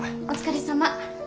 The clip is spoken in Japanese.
お疲れさま。